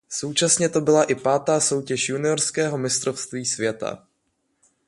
Současně to byla i pátá soutěž juniorského mistrovství světa.